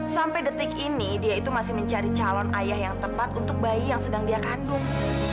sampai detik ini dia itu masih mencari calon ayah yang tepat untuk bayi yang sedang dia kandung